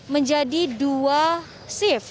menjadi dua shift